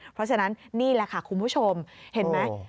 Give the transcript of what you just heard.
เพราะฉะนั้นนี่แหละค่ะคุณผู้ชมเห็นไหม